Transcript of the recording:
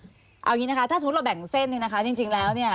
เอาอย่างนี้นะคะถ้าสมมุติเราแบ่งเส้นเนี่ยนะคะจริงแล้วเนี่ย